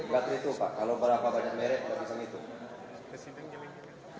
gak terlitu pak kalau berapa banyak merek gak bisa ngitung